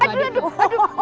ujat aduh aduh aduh